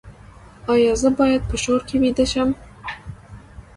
ایا زه باید په شور کې ویده شم؟